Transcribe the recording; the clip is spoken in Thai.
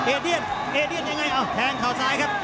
เดียนเอเดียนยังไงเอาแทงเข่าซ้ายครับ